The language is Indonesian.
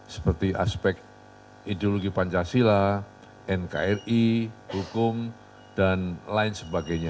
seperti aspek ideologi pancasila nkri hukum dan lain sebagainya